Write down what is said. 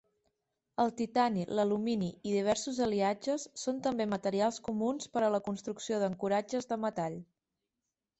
El titani, l'alumini i diversos aliatges són també materials comuns per a la construcció d'ancoratges de metall.